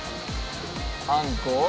あんこを。